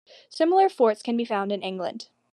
Similar forts can be found in England.